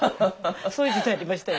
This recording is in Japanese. そういう時代ありましたよ。